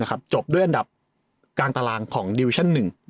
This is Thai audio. นะครับจบด้วยอันดับกลางตารางของดีวิชั่นหนึ่งอืม